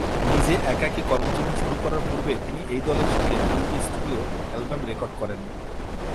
নিজে একাকী কর্মজীবন শুরু করার পূর্বে তিনি এই দলের সাথে দুইটি স্টুডিও অ্যালবাম রেকর্ড করেন।